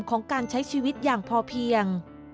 ของการใช้ชีวิตอย่างพอเพียง